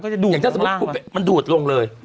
อย่างถ้าสมมุติมันดูดลงเลย